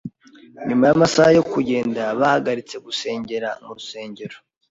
Nyuma yamasaha yo kugenda, bahagaritse gusengera mu rusengero.